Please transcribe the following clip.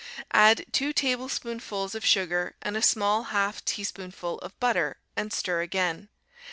Add two tablespoonfuls of sugar and a small half teaspoonful of butter, and stir again.